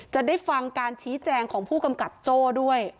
จะได้ฟังการชี้แจงของผู้กำกับโจ้ด้วย